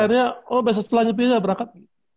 akhirnya oh besok setelah nyepi saya berangkat